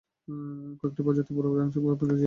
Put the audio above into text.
কয়েকটি প্রজাতি, পুরোপুরি বা আংশিকভাবে পরিযায়ী।